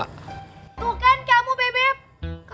tuh kan kamu beb beb